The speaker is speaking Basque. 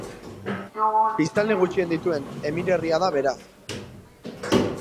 Biztanle gutxien dituen emirerria da beraz.